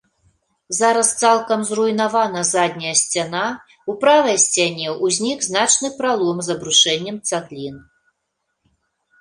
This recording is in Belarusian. Зараз цалкам зруйнавана задняя сцяна, у правай сцяне ўзнік значны пралом з абрушэннем цаглін.